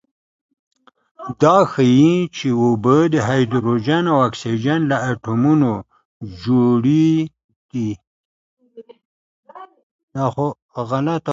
دا ښيي چې اوبه د هایدروجن او اکسیجن له اتومونو جوړې دي.